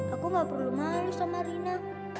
aku gak perlu malu sama rina